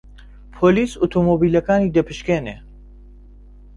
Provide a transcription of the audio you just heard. پۆلیس ئۆتۆمۆبیلەکانی دەپشکنی.